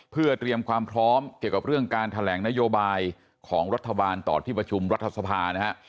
เพื่อเตรียมความพร้อมเกี่ยวกับเรื่องการแถลงนโยบายของรัฐบาลต่อที่ประชุมรัฐสภานะฮะ